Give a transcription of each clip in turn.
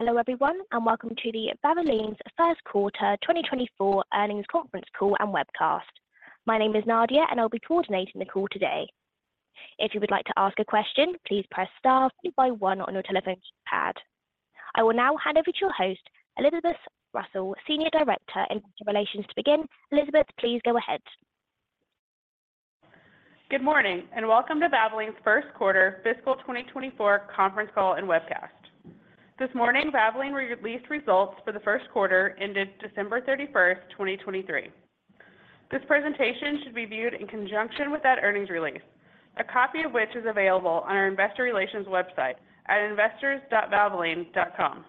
Hello everyone, and welcome to Valvoline's first quarter 2024 earnings conference call and webcast. My name is Nadia, and I'll be coordinating the call today. If you would like to ask a question, please press star 1 on your telephone pad. I will now hand over to your host, Elizabeth Russell, Senior Director in Investor Relations, to begin. Elizabeth, please go ahead. Good morning, and welcome to Valvoline's first quarter fiscal 2024 conference call and webcast. This morning, Valvoline released results for the first quarter ended December 31st, 2023. This presentation should be viewed in conjunction with that earnings release, a copy of which is available on our investor relations website at investors.valvoline.com.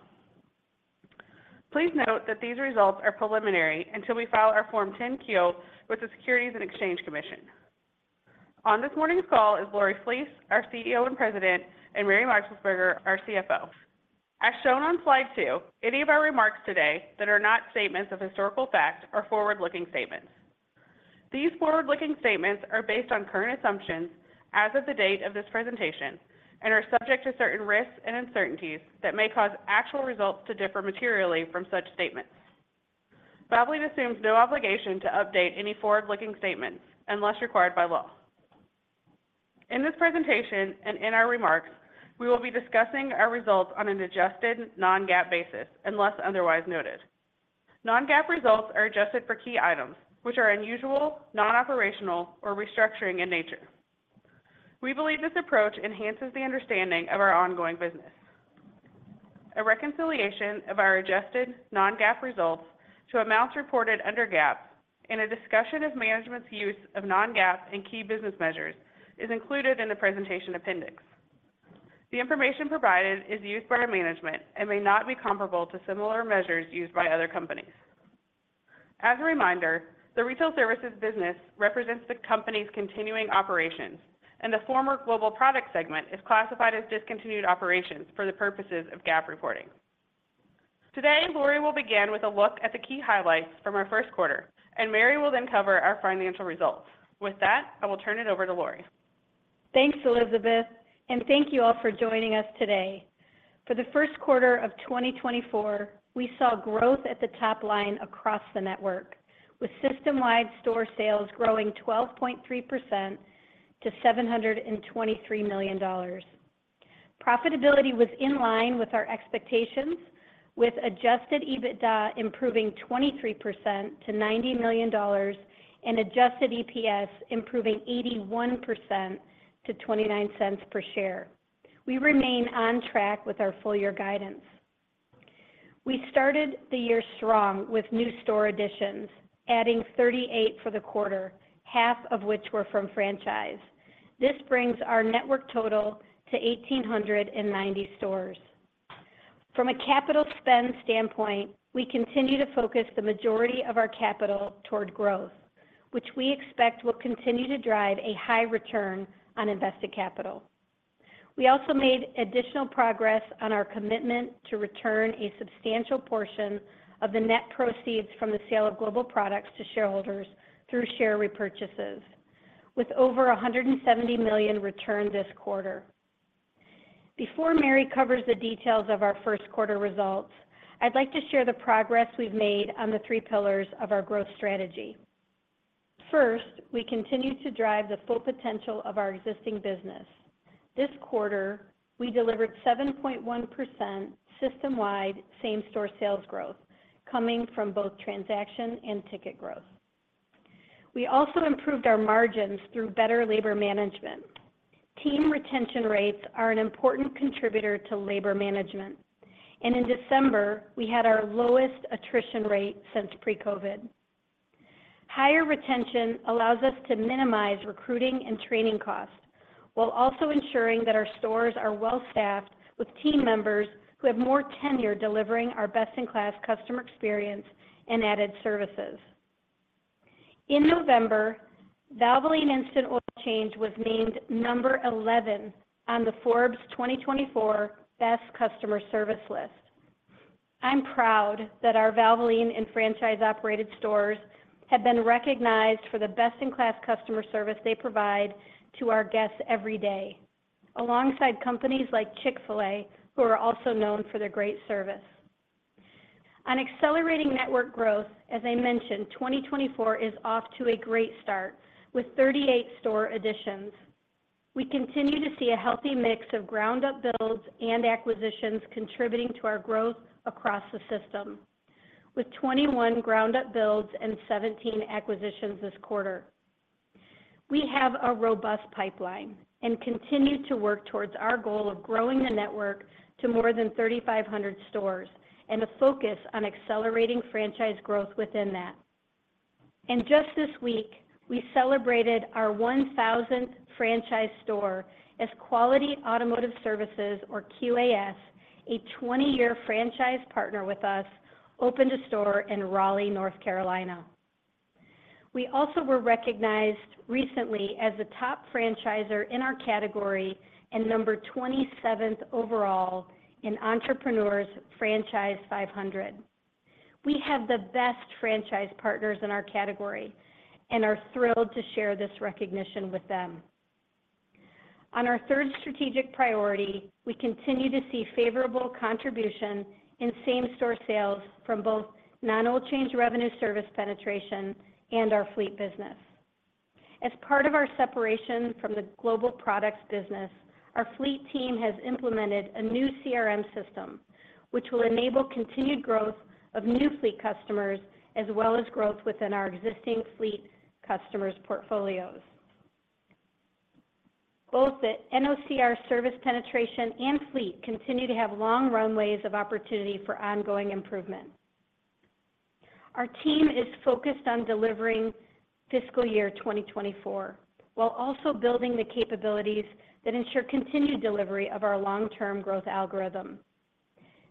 Please note that these results are preliminary until we file our Form 10-Q with the Securities and Exchange Commission. On this morning's call is Lori Flees, our CEO and President, and Mary Meixelsperger, our CFO. As shown on slide 2, any of our remarks today that are not statements of historical fact are forward-looking statements. These forward-looking statements are based on current assumptions as of the date of this presentation and are subject to certain risks and uncertainties that may cause actual results to differ materially from such statements. Valvoline assumes no obligation to update any forward-looking statements unless required by law. In this presentation and in our remarks, we will be discussing our results on an adjusted non-GAAP basis, unless otherwise noted. Non-GAAP results are adjusted for key items which are unusual, non-operational, or restructuring in nature. We believe this approach enhances the understanding of our ongoing business. A reconciliation of our adjusted non-GAAP results to amounts reported under GAAP and a discussion of management's use of non-GAAP and key business measures is included in the presentation appendix. The information provided is used by our management and may not be comparable to similar measures used by other companies. As a reminder, the Retail Services business represents the company's continuing operations, and the former Global Product segment is classified as discontinued operations for the purposes of GAAP reporting. Today, Lori will begin with a look at the key highlights from our first quarter, and Mary will then cover our financial results. With that, I will turn it over to Lori. Thanks, Elizabeth, and thank you all for joining us today. For the first quarter of 2024, we saw growth at the top line across the network, with system-wide store sales growing 12.3% to $723 million. Profitability was in line with our expectations, with adjusted EBITDA improving 23% to $90 million and adjusted EPS improving 81% to $0.29 per share. We remain on track with our full year guidance. We started the year strong with new store additions, adding 38 for the quarter, half of which were from franchise. This brings our network total to 1,890 stores. From a capital spend standpoint, we continue to focus the majority of our capital toward growth, which we expect will continue to drive a high return on invested capital. We also made additional progress on our commitment to return a substantial portion of the net proceeds from the sale of Global Products to shareholders through share repurchases, with over $170 million returned this quarter. Before Mary covers the details of our first quarter results, I'd like to share the progress we've made on the three pillars of our growth strategy. First, we continue to drive the full potential of our existing business. This quarter, we delivered 7.1% system-wide same-store sales growth, coming from both transaction and ticket growth. We also improved our margins through better labor management. Team retention rates are an important contributor to labor management, and in December, we had our lowest attrition rate since pre-COVID. Higher retention allows us to minimize recruiting and training costs, while also ensuring that our stores are well staffed with team members who have more tenure, delivering our best-in-class customer experience and added services. In November, Valvoline Instant Oil Change was named number 11 on the Forbes 2024 Best Customer Service list. I'm proud that our Valvoline and franchise-operated stores have been recognized for the best-in-class customer service they provide to our guests every day, alongside companies like Chick-fil-A, who are also known for their great service. On accelerating network growth, as I mentioned, 2024 is off to a great start with 38 store additions. We continue to see a healthy mix of ground-up builds and acquisitions contributing to our growth across the system, with 21 ground-up builds and 17 acquisitions this quarter. We have a robust pipeline and continue to work towards our goal of growing the network to more than 3,500 stores and a focus on accelerating franchise growth within that. Just this week, we celebrated our 1,000th franchise store as Quality Automotive Services, or QAS, a 20-year franchise partner with us, opened a store in Raleigh, North Carolina. We also were recognized recently as a top franchisor in our category and number 27th overall in Entrepreneur's Franchise 500. We have the best franchise partners in our category and are thrilled to share this recognition with them. On our third strategic priority, we continue to see favorable contribution in same-store sales from both non-oil change revenue service penetration and our fleet business. As part of our separation from the Global Products business, our fleet team has implemented a new CRM system, which will enable continued growth of new fleet customers, as well as growth within our existing fleet customers' portfolios. Both the NOCR service penetration and fleet continue to have long runways of opportunity for ongoing improvement. Our team is focused on delivering fiscal year 2024, while also building the capabilities that ensure continued delivery of our long-term growth algorithm.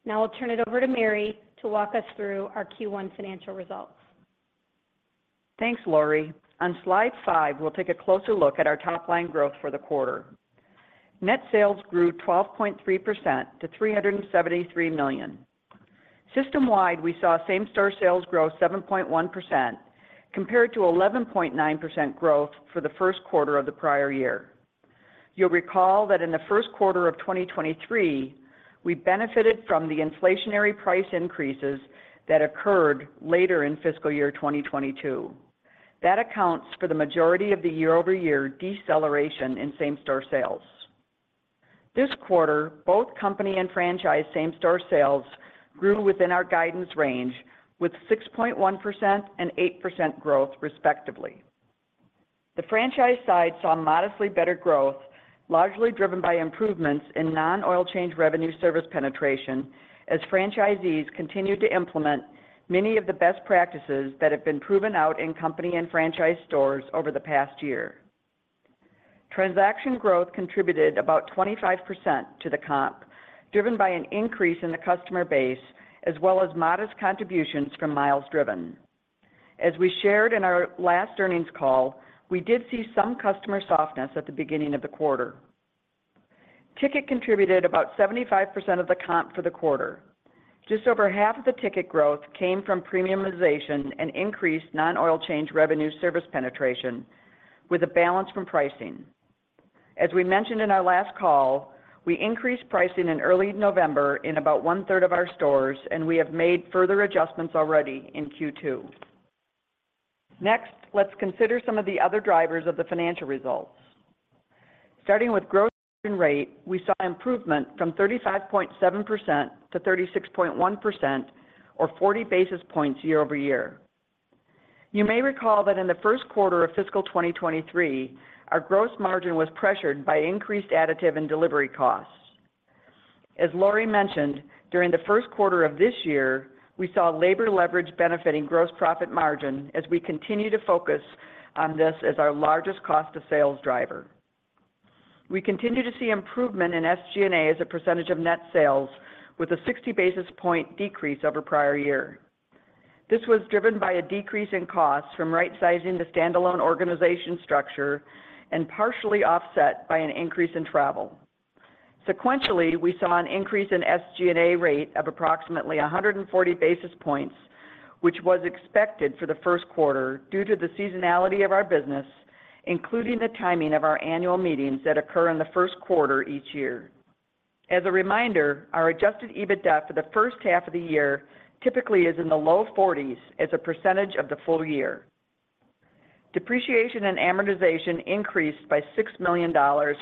Now I'll turn it over to Mary to walk us through our Q1 financial results. Thanks, Lori. On slide five, we'll take a closer look at our top line growth for the quarter. Net sales grew 12.3% to $373 million. System-wide, we saw same-store sales grow 7.1%, compared to 11.9% growth for the first quarter of the prior year. You'll recall that in the first quarter of 2023, we benefited from the inflationary price increases that occurred later in fiscal year 2022. That accounts for the majority of the year-over-year deceleration in same-store sales. This quarter, both company and franchise same-store sales grew within our guidance range with 6.1% and 8% growth, respectively. The franchise side saw modestly better growth, largely driven by improvements in non-oil change revenue service penetration, as franchisees continued to implement many of the best practices that have been proven out in company and franchise stores over the past year. Transaction growth contributed about 25% to the comp, driven by an increase in the customer base, as well as modest contributions from miles driven. As we shared in our last earnings call, we did see some customer softness at the beginning of the quarter. Ticket contributed about 75% of the comp for the quarter. Just over half of the ticket growth came from premiumization and increased non-oil change revenue service penetration, with a balance from pricing. As we mentioned in our last call, we increased pricing in early November in about one-third of our stores, and we have made further adjustments already in Q2. Next, let's consider some of the other drivers of the financial results. Starting with gross margin rate, we saw improvement from 35.7% to 36.1% or 40 bps year over year. You may recall that in the first quarter of fiscal 2023, our gross margin was pressured by increased additive and delivery costs. As Lori mentioned, during the first quarter of this year, we saw labor leverage benefiting gross profit margin as we continue to focus on this as our largest cost to sales driver. We continue to see improvement in SG&A as a percentage of net sales with a 60 bps decrease over prior year. This was driven by a decrease in costs from right sizing the standalone organization structure and partially offset by an increase in travel. Sequentially, we saw an increase in SG&A rate of approximately 140 bps, which was expected for the first quarter due to the seasonality of our business, including the timing of our annual meetings that occur in the first quarter each year. As a reminder, our adjusted EBITDA for the first half of the year typically is in the low 40s% of the full year. Depreciation and amortization increased by $6 million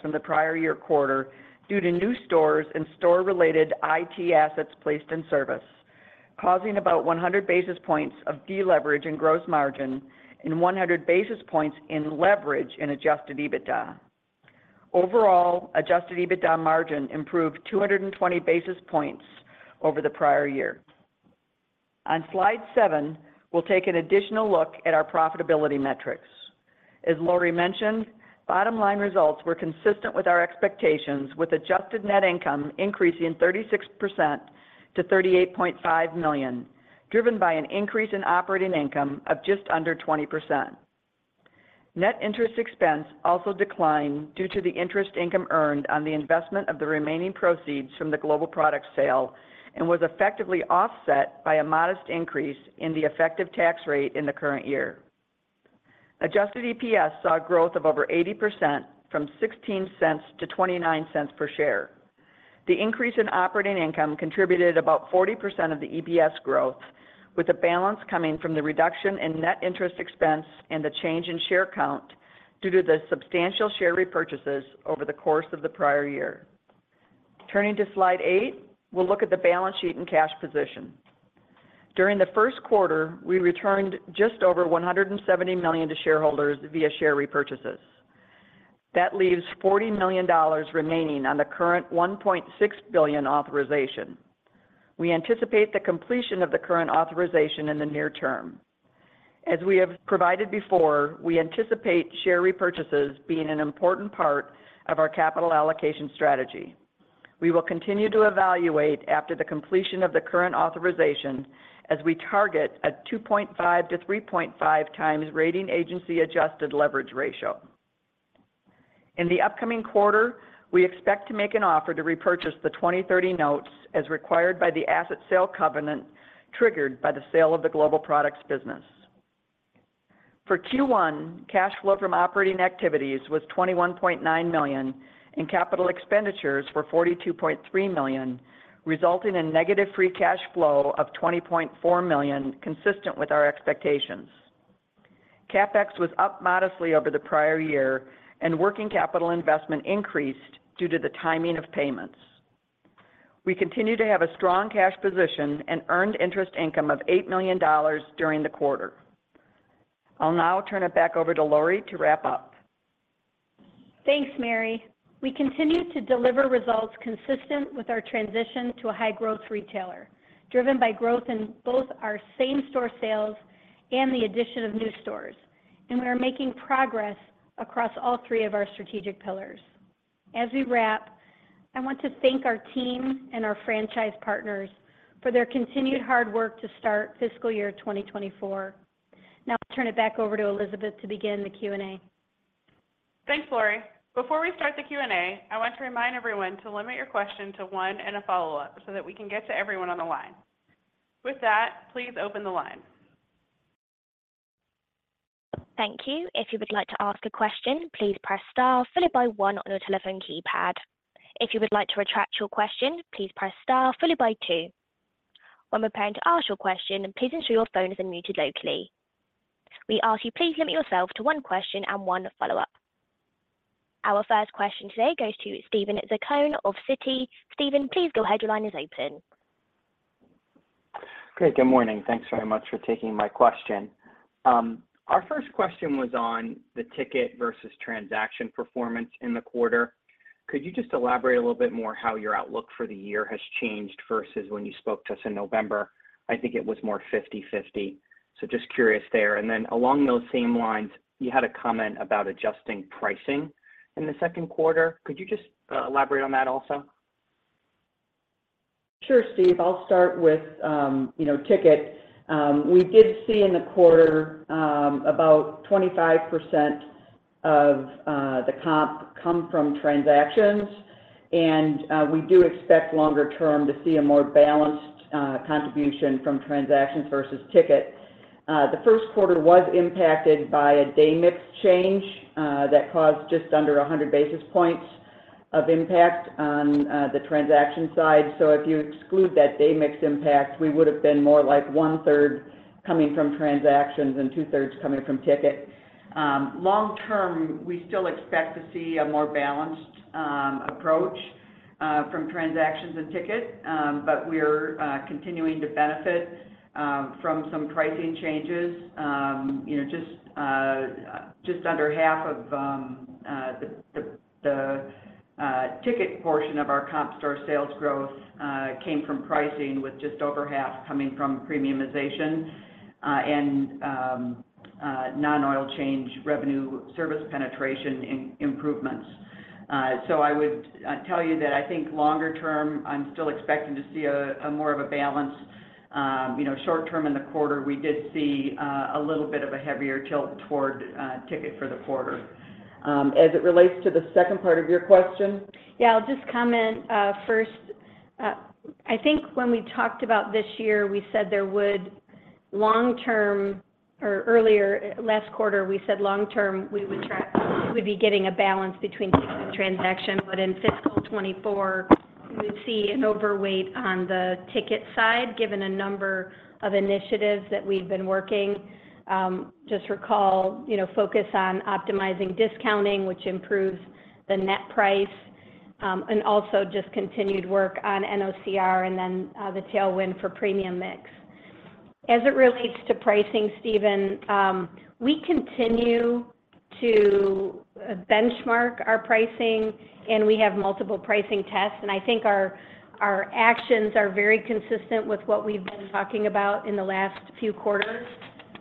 from the prior year quarter due to new stores and store-related IT assets placed in service, causing about 100 bps of deleverage in gross margin and 100 bps in leverage in adjusted EBITDA. Overall, adjusted EBITDA margin improved 220 bps over the prior year. On Slide 7, we'll take an additional look at our profitability metrics. As Lori mentioned, bottom line results were consistent with our expectations, with adjusted net income increasing 36% to $38.5 million, driven by an increase in operating income of just under 20%. Net interest expense also declined due to the interest income earned on the investment of the remaining proceeds from the Global Products sale and was effectively offset by a modest increase in the effective tax rate in the current year. Adjusted EPS saw a growth of over 80% from $0.16 to $0.29 per share. The increase in operating income contributed about 40% of the EPS growth, with the balance coming from the reduction in net interest expense and the change in share count due to the substantial share repurchases over the course of the prior year. Turning to slide 8, we'll look at the balance sheet and cash position. During the first quarter, we returned just over $170 million to shareholders via share repurchases. That leaves $40 million remaining on the current $1.6 billion authorization. We anticipate the completion of the current authorization in the near term. As we have provided before, we anticipate share repurchases being an important part of our capital allocation strategy. We will continue to evaluate after the completion of the current authorization as we target a 2.5-3.5 times rating agency adjusted leverage ratio. In the upcoming quarter, we expect to make an offer to repurchase the 2030 notes as required by the asset sale covenant, triggered by the sale of the Global Products business. For Q1, cash flow from operating activities was $21.9 million, and capital expenditures were $42.3 million, resulting in negative free cash flow of $20.4 million, consistent with our expectations. CapEx was up modestly over the prior year, and working capital investment increased due to the timing of payments. We continue to have a strong cash position and earned interest income of $8 million during the quarter. I'll now turn it back over to Lori to wrap up. Thanks, Mary. We continue to deliver results consistent with our transition to a high-growth retailer, driven by growth in both our same-store sales and the addition of new stores, and we are making progress across all three of our strategic pillars. As we wrap, I want to thank our team and our franchise partners for their continued hard work to start fiscal year 2024. Now, I'll turn it back over to Elizabeth to begin the Q&A. Thanks, Lori. Before we start the Q&A, I want to remind everyone to limit your question to one and a follow-up, so that we can get to everyone on the line. With that, please open the line. Thank you. If you would like to ask a question, please press star 1 on your telephone keypad. If you would like to retract your question, please press star 2. When preparing to ask your question, please ensure your phone is unmuted locally. We ask you, please limit yourself to one question and one follow-up. Our first question today goes to Steven Zaccone of Citi. Steven, please go ahead. Your line is open. Great, good morning. Thanks very much for taking my question. Our first question was on the ticket versus transaction performance in the quarter. Could you just elaborate a little bit more how your outlook for the year has changed versus when you spoke to us in November? I think it was more 50/50. So just curious there. And then along those same lines, you had a comment about adjusting pricing in the second quarter. Could you just elaborate on that also? Sure, Steve. I'll start with, you know, ticket. We did see in the quarter, about 25% of the comp come from transactions, and we do expect longer term to see a more balanced contribution from transactions versus ticket. The first quarter was impacted by a day mix change that caused just under 100 bps of impact on the transaction side. So if you exclude that day mix impact, we would have been more like 1/3 coming from transactions and 2/3 coming from ticket. Long term, we still expect to see a more balanced approach from transactions and ticket, but we're continuing to benefit from some pricing changes. You know, just under half of the ticket portion of our comp store sales growth came from pricing, with just over half coming from premiumization and non-oil change revenue service penetration and improvements. So I would tell you that I think longer term, I'm still expecting to see a more of a balance. You know, short term in the quarter, we did see a little bit of a heavier tilt toward ticket for the quarter. As it relates to the second part of your question? Yeah, I'll just comment first. I think when we talked about this year, we said there would long term, or earlier, last quarter, we said long term, we'd be getting a balance between ticket and transaction, but in fiscal 2024, we would see an overweight on the ticket side, given a number of initiatives that we've been working. Just recall, you know, focus on optimizing discounting, which improves the net price, and also just continued work on NOCR and then the tailwind for premium mix. As it relates to pricing, Steven, we continue to benchmark our pricing, and we have multiple pricing tests, and I think our actions are very consistent with what we've been talking about in the last few quarters,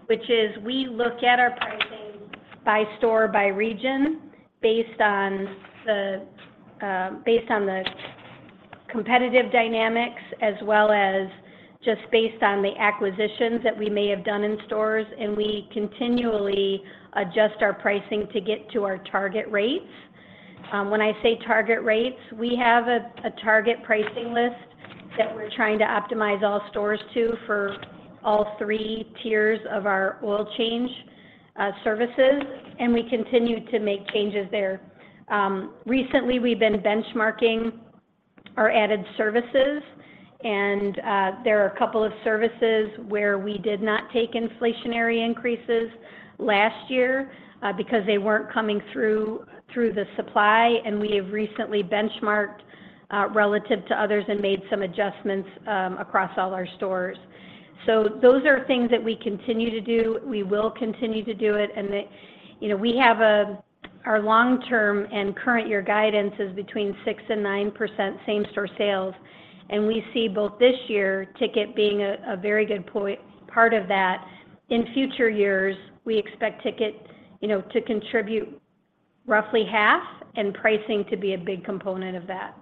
which is we look at our pricing by store, by region, based on the competitive dynamics, as well as just based on the acquisitions that we may have done in stores, and we continually adjust our pricing to get to our target rates. When I say target rates, we have a target pricing list that we're trying to optimize all stores to for all three tiers of our oil change services, and we continue to make changes there. Recently, we've been benchmarking our added services, and there are a couple of services where we did not take inflationary increases last year, because they weren't coming through the supply, and we have recently benchmarked relative to others and made some adjustments across all our stores. So those are things that we continue to do. We will continue to do it. And, you know, we have our long-term and current year guidance is between 6% and 9% same-store sales, and we see both this year, ticket being a very good part of that. In future years, we expect ticket, you know, to contribute roughly half, and pricing to be a big component of that.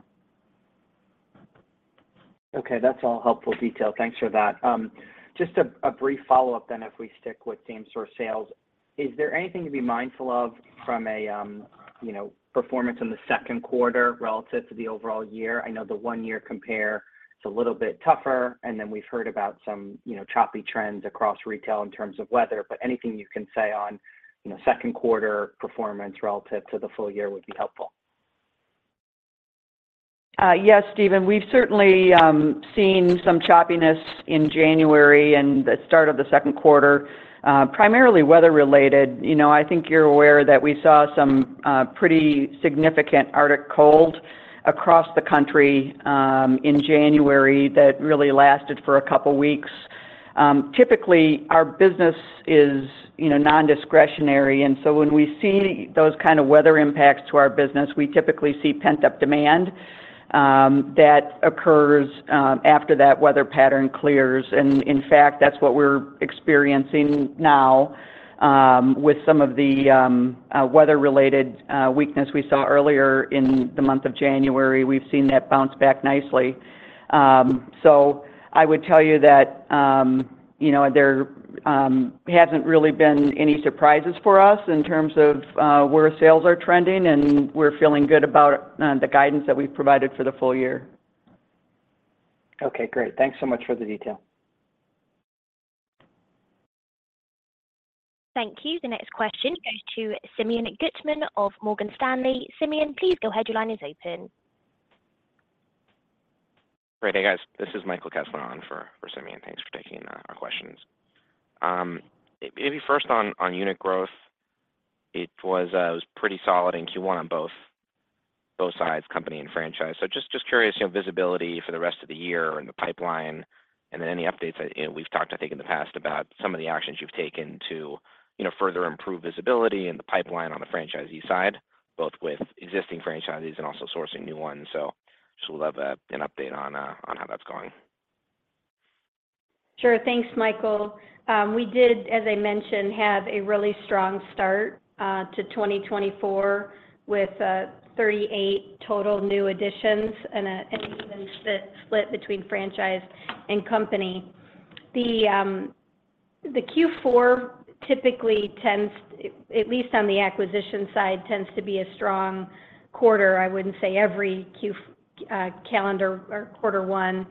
Okay, that's all helpful detail. Thanks for that. Just a brief follow-up then, if we stick with same-store sales. Is there anything to be mindful of from a, you know, performance in the second quarter relative to the overall year? I know the one-year compare is a little bit tougher, and then we've heard about some, you know, choppy trends across retail in terms of weather, but anything you can say on, you know, second quarter performance relative to the full year would be helpful. ... Yes, Stephen, we've certainly seen some choppiness in January and the start of the second quarter, primarily weather-related. You know, I think you're aware that we saw some pretty significant Arctic cold across the country in January, that really lasted for a couple of weeks. Typically, our business is, you know, nondiscretionary, and so when we see those kind of weather impacts to our business, we typically see pent-up demand that occurs after that weather pattern clears. And in fact, that's what we're experiencing now, with some of the weather-related weakness we saw earlier in the month of January. We've seen that bounce back nicely. So I would tell you that, you know, there hasn't really been any surprises for us in terms of where sales are trending, and we're feeling good about the guidance that we've provided for the full year. Okay, great. Thanks so much for the detail. Thank you. The next question goes to Simeon Gutman of Morgan Stanley. Simeon, please go ahead. Your line is open. Great. Hey, guys, this is Michael Kessler on for Simeon. Thanks for taking our questions. Maybe first on unit growth, it was pretty solid in Q1 on both sides, company and franchise. So just curious, you know, visibility for the rest of the year and the pipeline, and then any updates that, you know, we've talked, I think, in the past about some of the actions you've taken to, you know, further improve visibility in the pipeline on the franchisee side, both with existing franchisees and also sourcing new ones. So just would love an update on how that's going. Sure. Thanks, Michael. We did, as I mentioned, have a really strong start to 2024, with 38 total new additions and an even split between franchise and company. The Q4 typically tends, at least on the acquisition side, tends to be a strong quarter. I wouldn't say every calendar or quarter 1,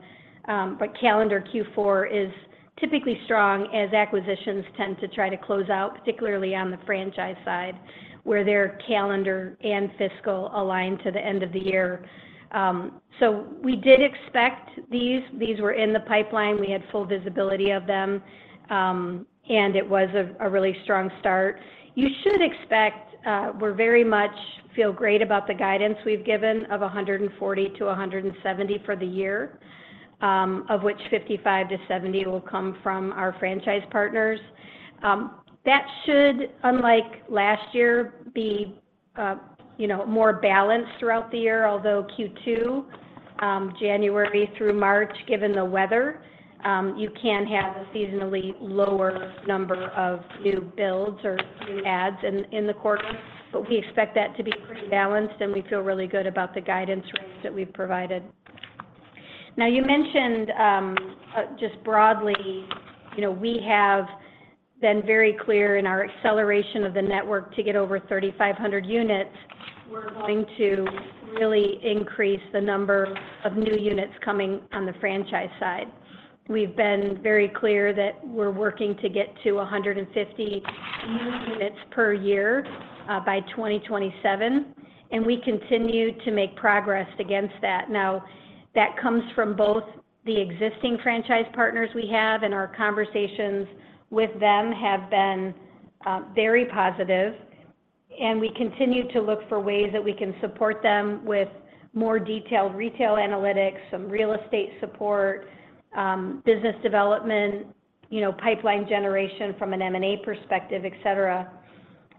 but calendar Q4 is typically strong as acquisitions tend to try to close out, particularly on the franchise side, where their calendar and fiscal align to the end of the year. So we did expect these. These were in the pipeline. We had full visibility of them, and it was a really strong start. You should expect, we're very much feel great about the guidance we've given of 140 to 170 for the year, of which 55 to 70 will come from our franchise partners. That should, unlike last year, be, you know, more balanced throughout the year, although Q2, January through March, given the weather, you can have a seasonally lower number of new builds or new adds in the quarter. But we expect that to be pretty balanced, and we feel really good about the guidance range that we've provided. Now, you mentioned, just broadly, you know, we have been very clear in our acceleration of the network to get over 3,500 units. We're going to really increase the number of new units coming on the franchise side. We've been very clear that we're working to get to 150 new units per year by 2027, and we continue to make progress against that. Now, that comes from both the existing franchise partners we have, and our conversations with them have been very positive. And we continue to look for ways that we can support them with more detailed retail analytics, some real estate support, business development, you know, pipeline generation from an M&A perspective, et cetera.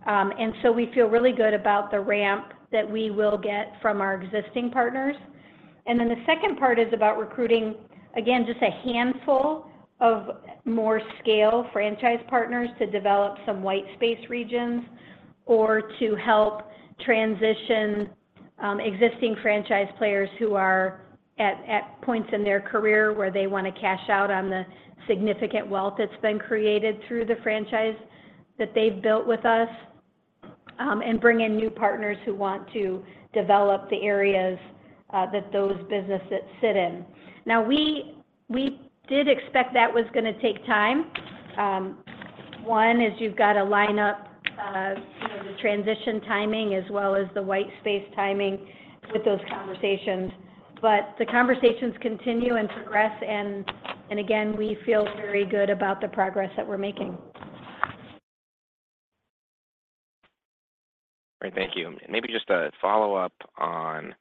And so we feel really good about the ramp that we will get from our existing partners. And then the second part is about recruiting, again, just a handful of more scale franchise partners to develop some white space regions or to help transition existing franchise players who are at points in their career where they want to cash out on the significant wealth that's been created through the franchise that they've built with us, and bring in new partners who want to develop the areas that those businesses sit in. Now, we did expect that was gonna take time. One is you've got to line up you know, the transition timing as well as the white space timing with those conversations. But the conversations continue and progress, and again, we feel very good about the progress that we're making. Great. Thank you. Maybe just a follow-up on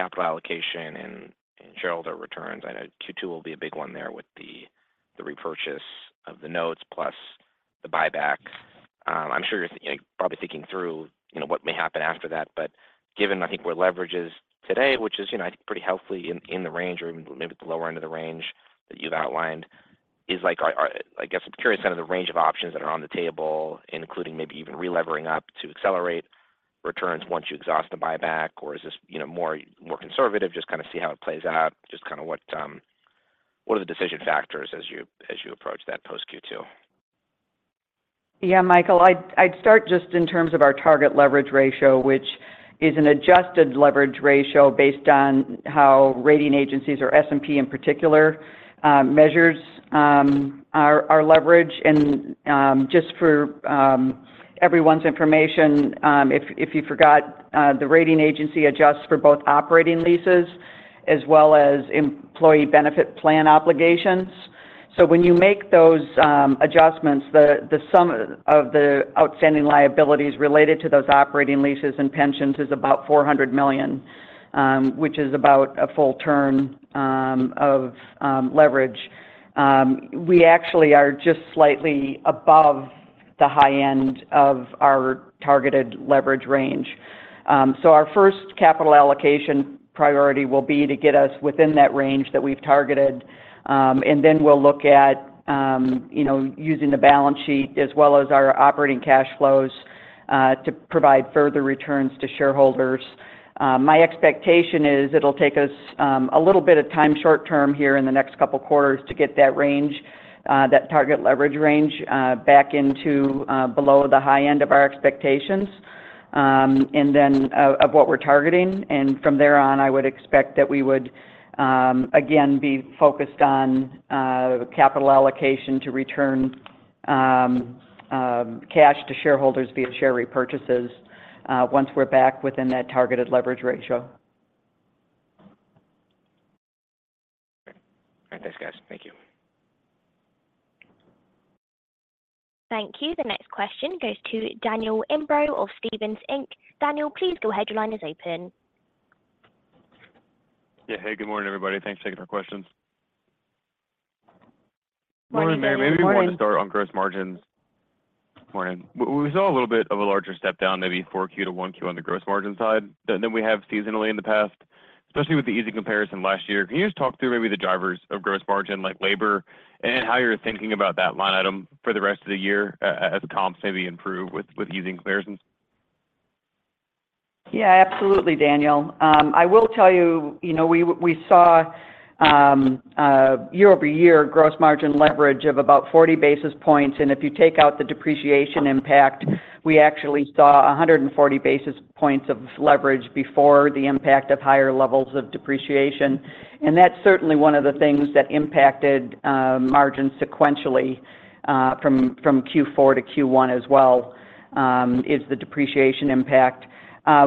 capital allocation and shareholder returns. I know Q2 will be a big one there with the repurchase of the notes plus the buyback. I'm sure you're, you know, probably thinking through, you know, what may happen after that, but given, I think, where leverage is today, which is, you know, I think pretty healthily in the range or even maybe at the lower end of the range that you've outlined, is like our I guess, I'm curious kind of the range of options that are on the table, including maybe even relevering up to accelerate returns once you exhaust the buyback, or is this, you know, more conservative, just kinda see how it plays out? Just kinda what are the decision factors as you as you approach that post Q2?... Yeah, Michael, I'd start just in terms of our target leverage ratio, which is an adjusted leverage ratio based on how rating agencies or S&P in particular measures our leverage. And just for everyone's information, if you forgot, the rating agency adjusts for both operating leases as well as employee benefit plan obligations. So when you make those adjustments, the sum of the outstanding liabilities related to those operating leases and pensions is about $400 million, which is about a full turn of leverage. We actually are just slightly above the high end of our targeted leverage range. So our first capital allocation priority will be to get us within that range that we've targeted. Then we'll look at, you know, using the balance sheet as well as our operating cash flows to provide further returns to shareholders. My expectation is it'll take us a little bit of time short term here in the next couple of quarters to get that range, that target leverage range, back into below the high end of our expectations, and then of what we're targeting. From there on, I would expect that we would again be focused on capital allocation to return cash to shareholders via share repurchases once we're back within that targeted leverage ratio. All right. Thanks, guys. Thank you. Thank you. The next question goes to Daniel Imbrogno of Stephens Inc. Daniel, please go ahead. Your line is open. Yeah. Hey, good morning, everybody. Thanks for taking our questions. Good morning, Daniel. Morning. Maybe we want to start on gross margins. Morning. We saw a little bit of a larger step down, maybe Q4 to Q1 on the gross margin side than, than we have seasonally in the past, especially with the easy comparison last year. Can you just talk through maybe the drivers of gross margin, like labor, and how you're thinking about that line item for the rest of the year, as comps maybe improve with, with easing comparisons? Yeah, absolutely, Daniel. I will tell you, you know, we saw year-over-year gross margin leverage of about 40 bps, and if you take out the depreciation impact, we actually saw 140 bps of leverage before the impact of higher levels of depreciation. And that's certainly one of the things that impacted margin sequentially from Q4 to Q1 as well, is the depreciation impact.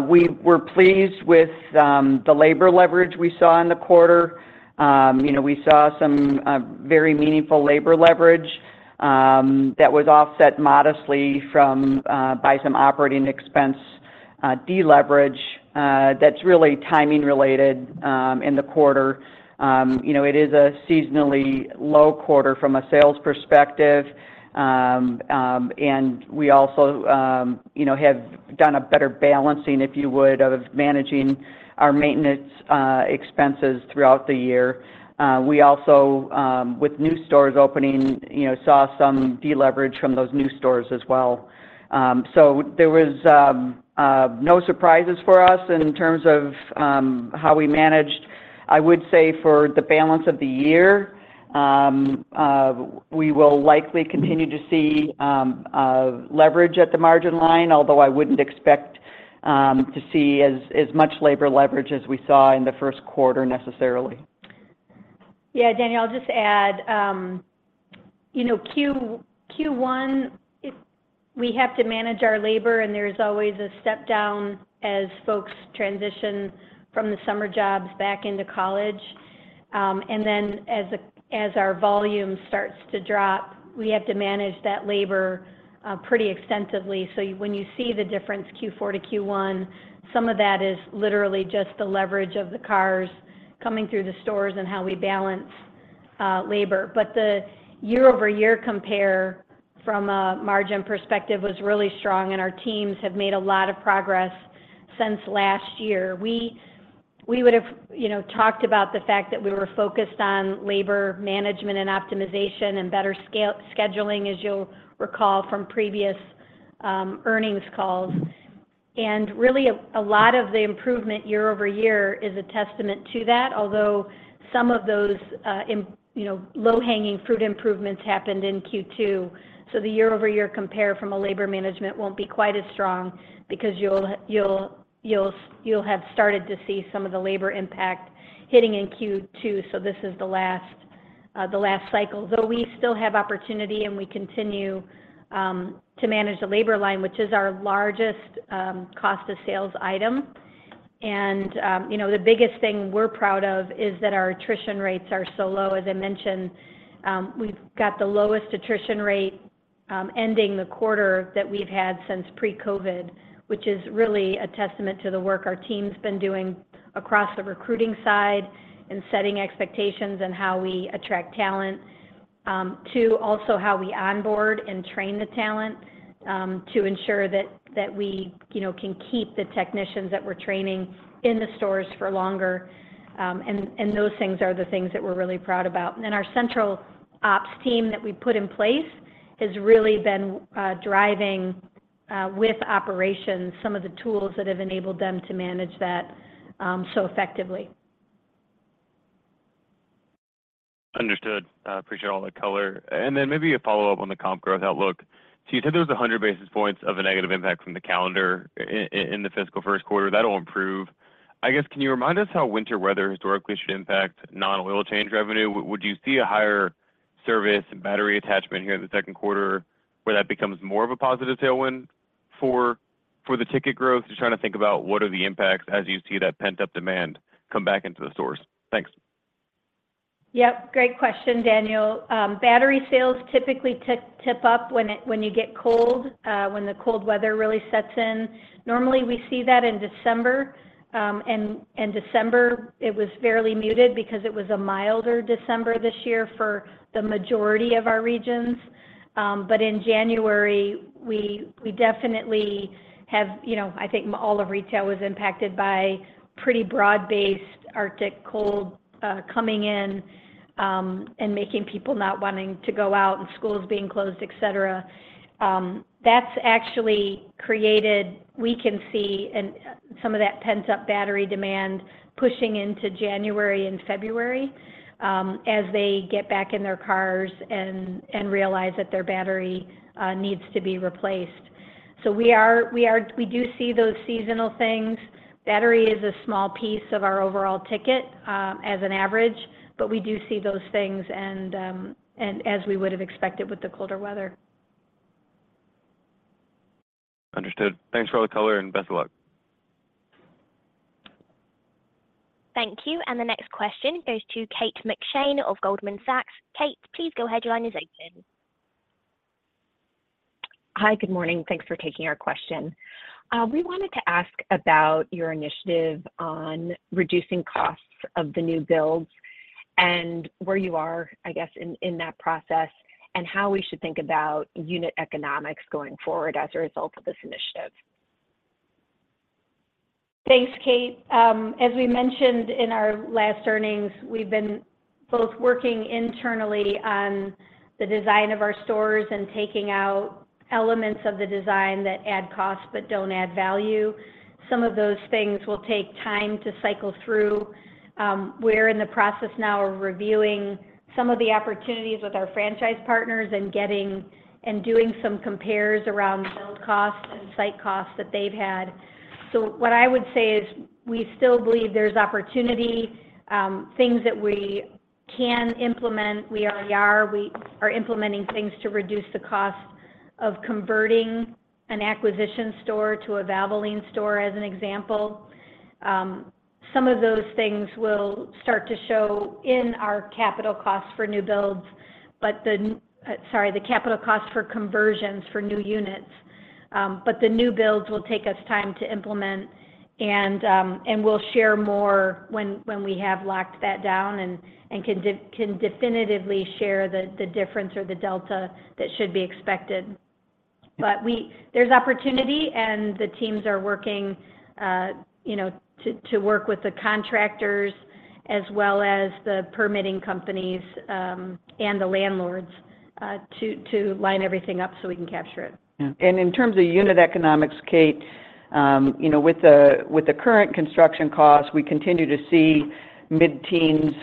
We were pleased with the labor leverage we saw in the quarter. You know, we saw some very meaningful labor leverage that was offset modestly by some operating expense deleverage that's really timing related in the quarter. You know, it is a seasonally low quarter from a sales perspective, and we also, you know, have done a better balancing, if you would, of managing our maintenance expenses throughout the year. We also, with new stores opening, you know, saw some deleverage from those new stores as well. So there was no surprises for us in terms of how we managed. I would say for the balance of the year, we will likely continue to see leverage at the margin line, although I wouldn't expect to see as much labor leverage as we saw in the first quarter, necessarily. Yeah, Daniel, I'll just add, you know, Q1, it we have to manage our labor, and there's always a step down as folks transition from the summer jobs back into college. And then as our volume starts to drop, we have to manage that labor pretty extensively. So when you see the difference Q4 to Q1, some of that is literally just the leverage of the cars coming through the stores and how we balance labor. But the year-over-year compare from a margin perspective was really strong, and our teams have made a lot of progress since last year. We would have, you know, talked about the fact that we were focused on labor management and optimization and better scale scheduling, as you'll recall from previous earnings calls. And really, a lot of the improvement year-over-year is a testament to that, although some of those, you know, low-hanging fruit improvements happened in Q2. So the year-over-year compare from a labor management won't be quite as strong because you'll have started to see some of the labor impact hitting in Q2. So this is the last, the last cycle. Though we still have opportunity and we continue to manage the labor line, which is our largest cost of sales item. And, you know, the biggest thing we're proud of is that our attrition rates are so low. As I mentioned, we've got the lowest attrition rate ending the quarter that we've had since pre-COVID, which is really a testament to the work our team's been doing across the recruiting side and setting expectations on how we attract talent to also how we onboard and train the talent to ensure that we, you know, can keep the technicians that we're training in the stores for longer. And those things are the things that we're really proud about. And then our central ops team that we put in place has really been driving with operations some of the tools that have enabled them to manage that so effectively.... Understood. I appreciate all the color. And then maybe a follow-up on the comp growth outlook. So you said there was 100 bps of a negative impact from the calendar in the fiscal first quarter. That will improve. I guess, can you remind us how winter weather historically should impact non-oil change revenue? Would you see a higher service and battery attachment here in the second quarter, where that becomes more of a positive tailwind for the ticket growth? Just trying to think about what are the impacts as you see that pent-up demand come back into the stores. Thanks. Yep. Great question, Daniel. Battery sales typically tip up when you get cold, when the cold weather really sets in. Normally, we see that in December, and December, it was fairly muted because it was a milder December this year for the majority of our regions. But in January, we definitely have, you know, I think all of retail was impacted by pretty broad-based Arctic cold coming in, and making people not wanting to go out and schools being closed, et cetera. That's actually created. We can see, and some of that pent-up battery demand pushing into January and February, as they get back in their cars and realize that their battery needs to be replaced. So we do see those seasonal things. Battery is a small piece of our overall ticket, as an average, but we do see those things and as we would have expected with the colder weather. Understood. Thanks for all the color, and best of luck. Thank you. The next question goes to Kate McShane of Goldman Sachs. Kate, please go ahead. Your line is open. Hi, good morning. Thanks for taking our question. We wanted to ask about your initiative on reducing costs of the new builds and where you are, I guess, in that process, and how we should think about unit economics going forward as a result of this initiative. Thanks, Kate. As we mentioned in our last earnings, we've been both working internally on the design of our stores and taking out elements of the design that add cost but don't add value. Some of those things will take time to cycle through. We're in the process now of reviewing some of the opportunities with our franchise partners and getting and doing some compares around build costs and site costs that they've had. So what I would say is, we still believe there's opportunity, things that we can implement. We already are. We are implementing things to reduce the cost of converting an acquisition store to a Valvoline store, as an example. Some of those things will start to show in our capital costs for new builds, but the... Sorry, the capital costs for conversions for new units. But the new builds will take us time to implement, and we'll share more when we have locked that down and can definitively share the difference or the delta that should be expected. But there's opportunity, and the teams are working, you know, to work with the contractors as well as the permitting companies and the landlords to line everything up so we can capture it. Yeah. And in terms of unit economics, Kate, you know, with the current construction costs, we continue to see mid-teens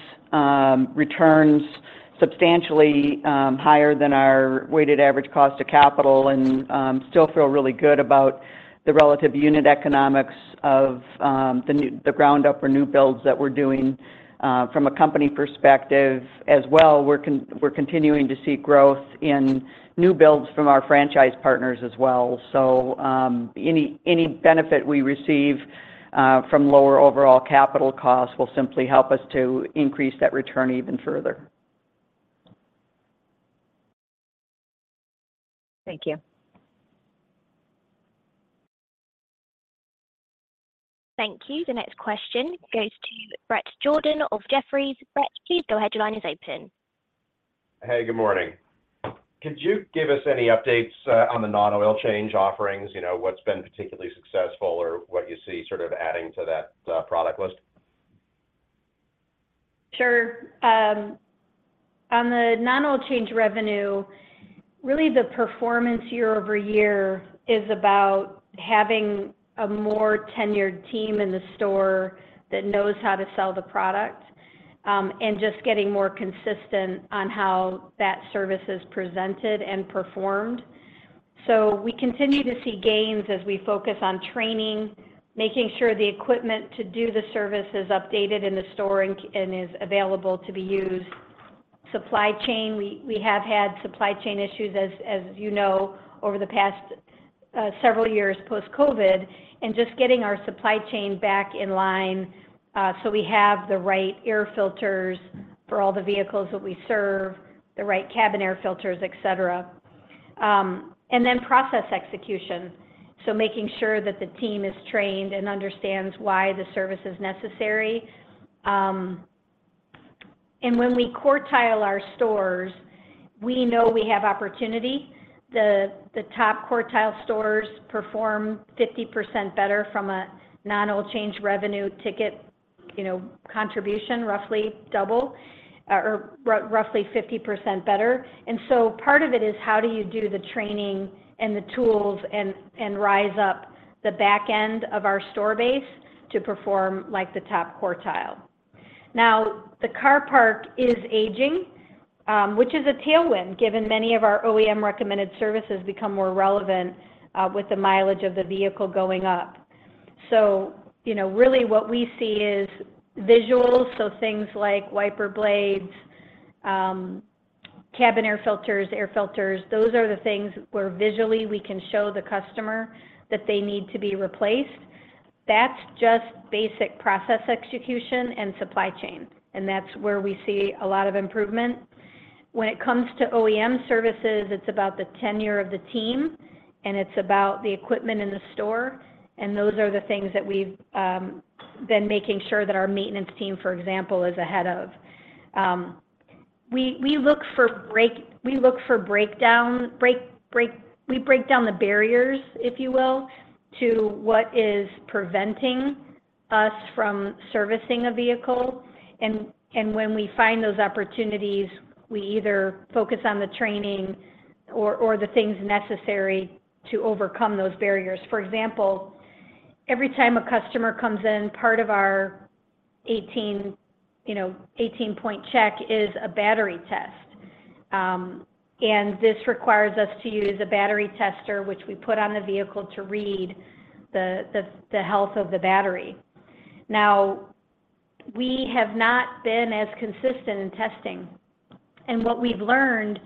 returns substantially higher than our weighted average cost of capital, and still feel really good about the relative unit economics of the new... the ground up or new builds that we're doing from a company perspective. As well, we're continuing to see growth in new builds from our franchise partners as well. So, any benefit we receive from lower overall capital costs will simply help us to increase that return even further. Thank you. Thank you. The next question goes to Bret Jordan of Jefferies. Bret, please go ahead. Your line is open. Hey, good morning. Could you give us any updates on the non-oil change offerings? You know, what's been particularly successful or what you see sort of adding to that product list? Sure. On the non-oil change revenue, really the performance year-over-year is about having a more tenured team in the store that knows how to sell the product, and just getting more consistent on how that service is presented and performed. So we continue to see gains as we focus on training, making sure the equipment to do the service is updated in the store and is available to be used. Supply chain, we have had supply chain issues, as you know, over the past several years post-COVID, and just getting our supply chain back in line, so we have the right air filters for all the vehicles that we serve, the right cabin air filters, et cetera. And then process execution, so making sure that the team is trained and understands why the service is necessary. And when we quartile our stores, we know we have opportunity. The top quartile stores perform 50% better from a non-oil change revenue ticket, you know, contribution, roughly double, or roughly 50% better. And so part of it is how do you do the training and the tools and rise up the back end of our store base to perform like the top quartile? Now, the car park is aging, which is a tailwind, given many of our OEM-recommended services become more relevant with the mileage of the vehicle going up. So, you know, really what we see is visuals, so things like wiper blades, cabin air filters, air filters, those are the things where visually we can show the customer that they need to be replaced. That's just basic process execution and supply chain, and that's where we see a lot of improvement. When it comes to OEM services, it's about the tenure of the team, and it's about the equipment in the store, and those are the things that we've been making sure that our maintenance team, for example, is ahead of. We look for breakdown. We break down the barriers, if you will, to what is preventing us from servicing a vehicle, and when we find those opportunities, we either focus on the training or the things necessary to overcome those barriers. For example, every time a customer comes in, part of our 18-Point Check is a battery test. This requires us to use a battery tester, which we put on the vehicle to read the health of the battery. Now, we have not been as consistent in testing, and what we've learned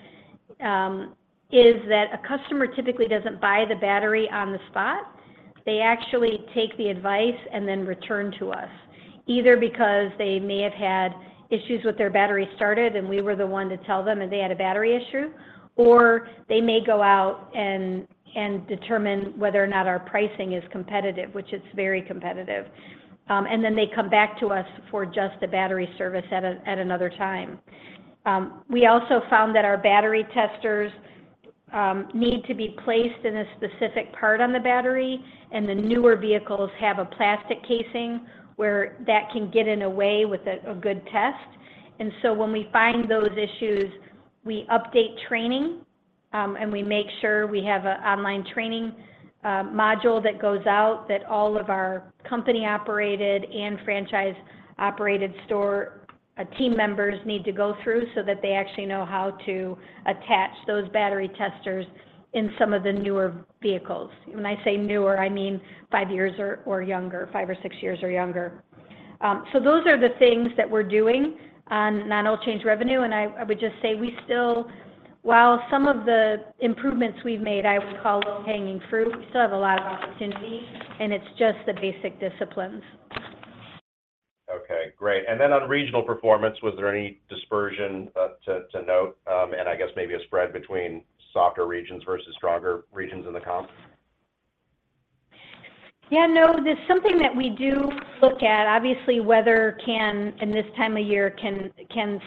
is that a customer typically doesn't buy the battery on the spot. They actually take the advice and then return to us, either because they may have had issues with their battery started, and we were the one to tell them that they had a battery issue, or they may go out and determine whether or not our pricing is competitive, which it's very competitive. And then they come back to us for just the battery service at another time. We also found that our battery testers need to be placed in a specific part on the battery, and the newer vehicles have a plastic casing, where that can get in the way with a good test. So when we find those issues, we update training, and we make sure we have an online training module that goes out, that all of our company-operated and franchise-operated store team members need to go through, so that they actually know how to attach those battery testers in some of the newer vehicles. When I say newer, I mean five years or younger, five or six years or younger. So those are the things that we're doing on non-oil change revenue, and I would just say we still... While some of the improvements we've made I would call low-hanging fruit, we still have a lot of opportunity, and it's just the basic disciplines. Okay, great. And then on regional performance, was there any dispersion to note, and I guess maybe a spread between softer regions versus stronger regions in the comp? Yeah, no, that's something that we do look at. Obviously, weather can, in this time of year,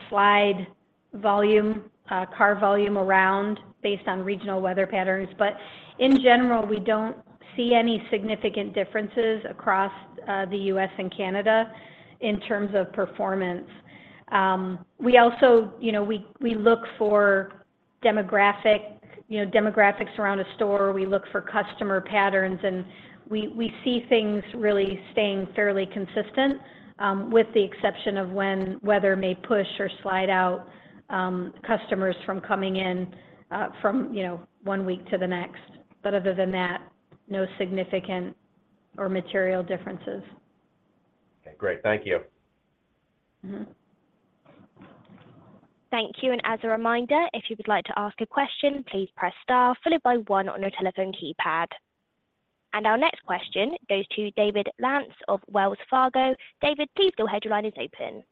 slide volume, car volume around based on regional weather patterns. But in general, we don't see any significant differences across the U.S. and Canada in terms of performance. We also, you know, we look for demographics around a store. We look for customer patterns, and we see things really staying fairly consistent, with the exception of when weather may push or slide out customers from coming in from, you know, one week to the next. But other than that, no significant or material differences. Okay, great. Thank you. Mm-hmm. Thank you, and as a reminder, if you would like to ask a question, please press star 1 on your telephone keypad. And our next question goes to David Lantz of Wells Fargo. David, please go ahead, your line is open.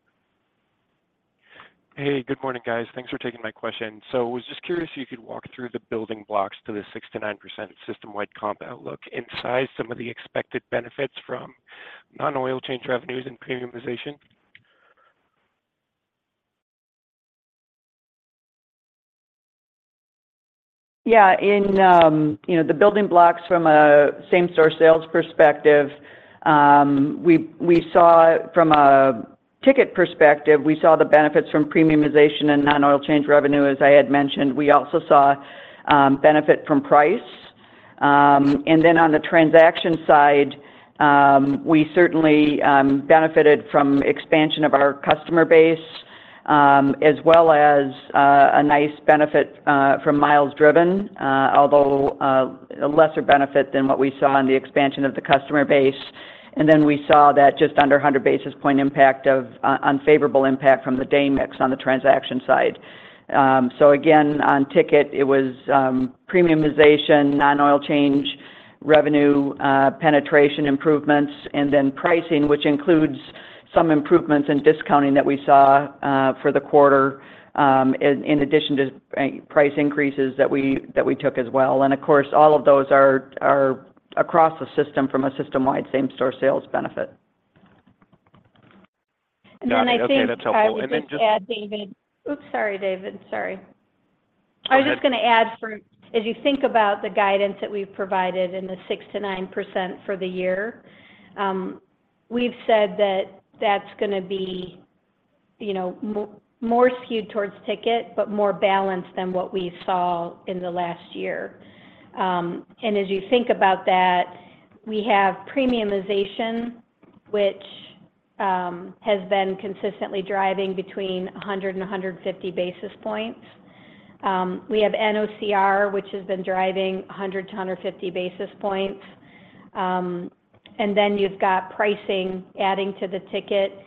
Hey, good morning, guys. Thanks for taking my question. So I was just curious if you could walk through the building blocks to the 6% to 9% system-wide comp outlook and size some of the expected benefits from non-oil change revenues and premiumization? Yeah, in, you know, the building blocks from a same-store sales perspective, we, we saw from a ticket perspective, we saw the benefits from premiumization and non-oil change revenue, as I had mentioned. We also saw, benefit from price. And then on the transaction side, we certainly, benefited from expansion of our customer base, as well as, a nice benefit, from miles driven, although, a lesser benefit than what we saw in the expansion of the customer base. And then we saw that just under 100 bps impact of, unfavorable impact from the day mix on the transaction side. So again, on ticket, it was premiumization, non-oil change revenue, penetration improvements, and then pricing, which includes some improvements in discounting that we saw for the quarter, in addition to price increases that we took as well. And of course, all of those are across the system from a system-wide same-store sales benefit. Got it. Okay, that's helpful. And then I think I would just add, David- Oops, sorry, David. Sorry. Go ahead. As you think about the guidance that we've provided in the 6% to 9% for the year, we've said that that's gonna be, you know, more skewed towards ticket, but more balanced than what we saw in the last year. And as you think about that, we have premiumization, which has been consistently driving between 100 and 150 bps. We have NOCR, which has been driving 100-150 bps. And then you've got pricing adding to the ticket,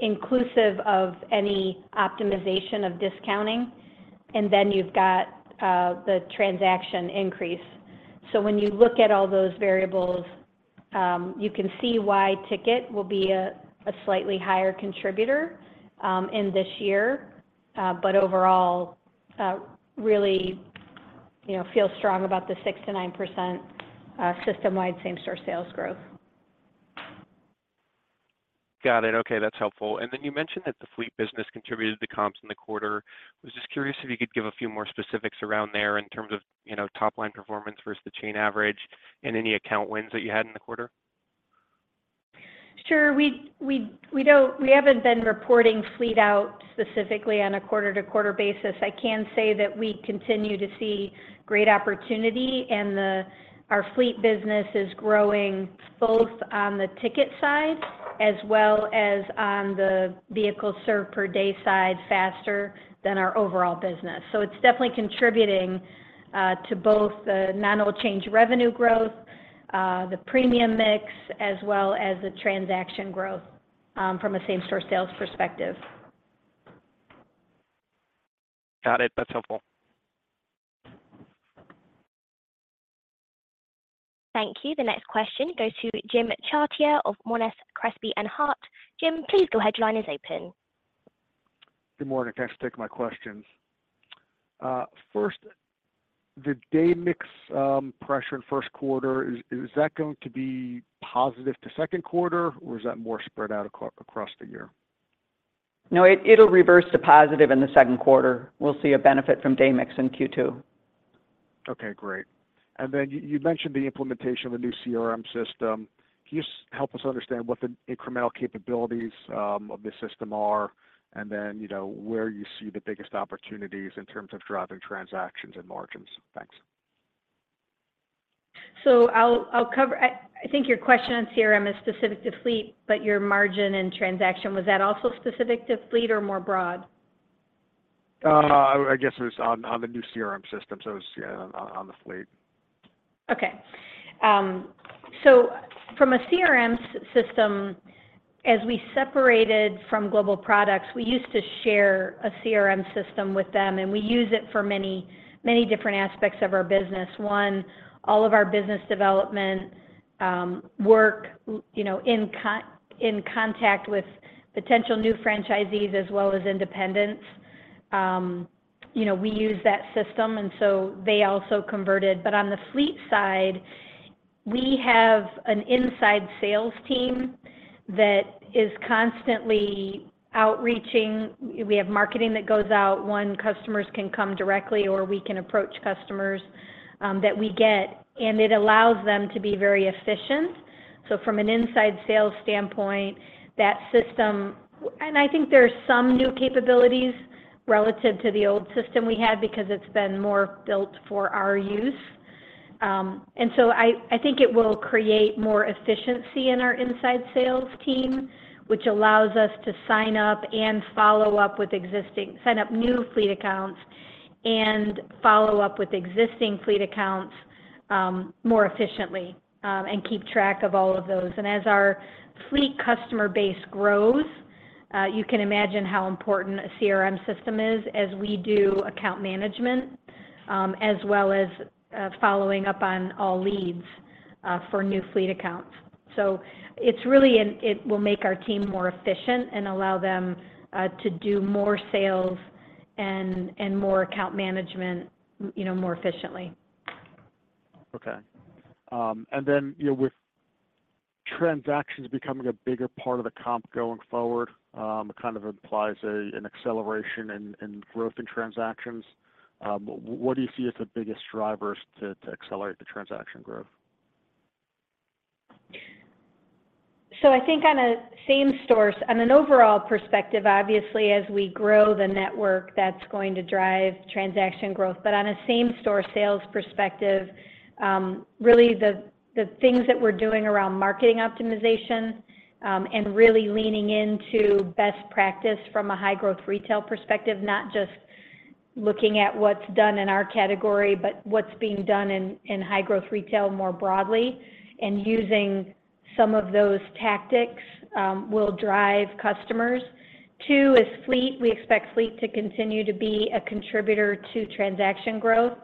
inclusive of any optimization of discounting, and then you've got the transaction increase. So when you look at all those variables, you can see why ticket will be a slightly higher contributor in this year. But overall, really, you know, feel strong about the 6%-9% system-wide same-store sales growth. Got it. Okay, that's helpful. And then you mentioned that the fleet business contributed to the comps in the quarter. I was just curious if you could give a few more specifics around there in terms of, you know, top-line performance versus the chain average and any account wins that you had in the quarter? Sure. We haven't been reporting fleet out specifically on a quarter-to-quarter basis. I can say that we continue to see great opportunity, and our fleet business is growing both on the ticket side as well as on the vehicle served per day side, faster than our overall business. So it's definitely contributing to both the non-oil change revenue growth, the premium mix, as well as the transaction growth, from a same-store sales perspective. Got it. That's helpful. Thank you. The next question goes to Jim Chartier of Monness, Crespi, Hardt. Jim, please, your line is open. Good morning. Thanks for taking my questions. First, the day mix pressure in first quarter, is that going to be positive to second quarter, or is that more spread out across the year? No, it'll reverse to positive in the second quarter. We'll see a benefit from day mix in Q2. Okay, great. And then you, you mentioned the implementation of a new CRM system. Can you just help us understand what the incremental capabilities of this system are, and then, you know, where you see the biggest opportunities in terms of driving transactions and margins? Thanks. So I'll cover... I think your question on CRM is specific to fleet, but your margin and transaction, was that also specific to fleet or more broad? I guess it was on the new CRM system, so it was, yeah, on the fleet. Okay. So from a CRM system, as we separated from Global Products, we used to share a CRM system with them, and we use it for many, many different aspects of our business. One, all of our business development work, you know, in contact with potential new franchisees as well as independents. You know, we use that system, and so they also converted. But on the fleet side, we have an inside sales team that is constantly outreaching. We have marketing that goes out. One, customers can come directly, or we can approach customers that we get, and it allows them to be very efficient. So from an inside sales standpoint, that system... And I think there are some new capabilities relative to the old system we had because it's been more built for our use. And so I think it will create more efficiency in our inside sales team, which allows us to sign up and follow up with existing—sign up new fleet accounts and follow up with existing fleet accounts, more efficiently, and keep track of all of those. And as our fleet customer base grows, you can imagine how important a CRM system is as we do account management, as well as, following up on all leads, for new fleet accounts. So it's really an... It will make our team more efficient and allow them to do more sales and more account management, you know, more efficiently. Okay. You know, with transactions becoming a bigger part of the comp going forward, it kind of implies an acceleration in growth in transactions. What do you see as the biggest drivers to accelerate the transaction growth? So I think on a same stores, on an overall perspective, obviously, as we grow the network, that's going to drive transaction growth. But on a same-store sales perspective, really the things that we're doing around marketing optimization, and really leaning into best practice from a high-growth retail perspective, not just looking at what's done in our category, but what's being done in high-growth retail more broadly, and using some of those tactics, will drive customers. Two is fleet. We expect fleet to continue to be a contributor to transaction growth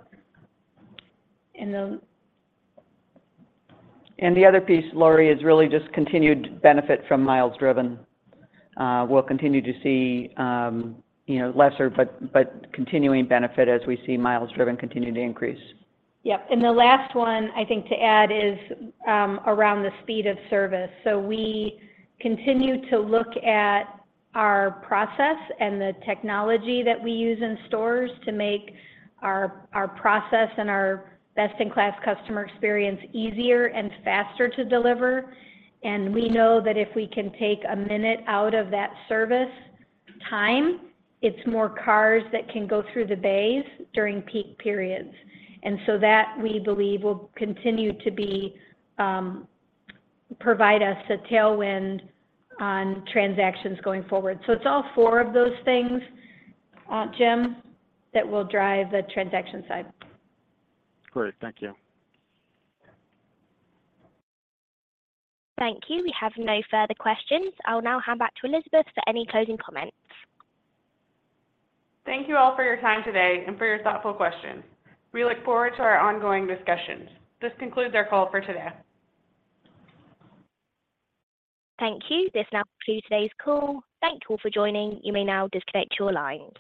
in. And the other piece, Lori, is really just continued benefit from miles driven. We'll continue to see, you know, lesser but continuing benefit as we see miles driven continue to increase. Yep. And the last one I think to add is around the speed of service. So we continue to look at our process and the technology that we use in stores to make our process and our best-in-class customer experience easier and faster to deliver. And we know that if we can take a minute out of that service time, it's more cars that can go through the bays during peak periods. And so that, we believe, will continue to provide us a tailwind on transactions going forward. So it's all four of those things, Jim, that will drive the transaction side. Great. Thank you. Thank you. We have no further questions. I'll now hand back to Elizabeth for any closing comments. Thank you all for your time today and for your thoughtful questions. We look forward to our ongoing discussions. This concludes our call for today. Thank you. This now concludes today's call. Thank you all for joining. You may now disconnect your lines.